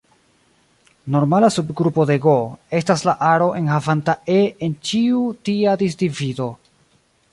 Normala subgrupo de "G" estas la aro enhavanta "e" en ĉiu tia disdivido.